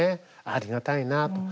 ありがたいなと。